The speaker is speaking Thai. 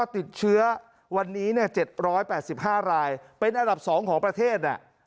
ติดเชื้อวันนี้๗๘๕รายเป็นอันดับ๒ของประเทศ